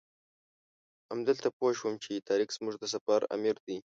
همدلته پوی شوم چې طارق زموږ د سفر امیر دی.